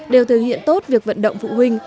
đều thực hiện tốt việc vận động phụ huynh